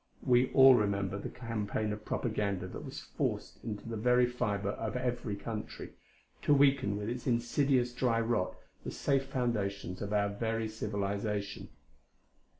We all remember the campaign of propaganda that was forced into the very fibre of every country, to weaken with its insidious dry rot the safe foundations of our very civilization.